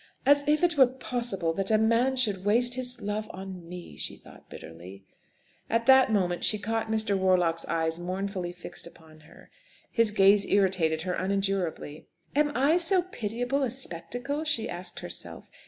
"As if it were possible that a man should waste his love on me!" she thought bitterly. At that moment she caught Mr. Warlock's eyes mournfully fixed upon her. His gaze irritated her unendurably. "Am I so pitiable a spectacle?" she asked herself.